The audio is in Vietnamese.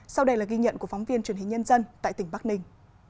sau đây là ghi nhận của phóng viên truyền hình nhân dân tại tỉnh bắc ninh